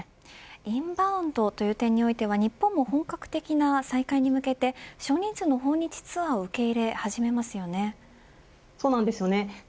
インバウンドという点においては日本も本格的な再開に向けて少人数の訪日ツアーも受け入れていますね。